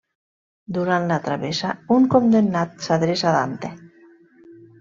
Durant la travessa un condemnat s'adreça a Dante.